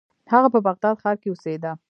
هغه په بغداد ښار کې اوسیده.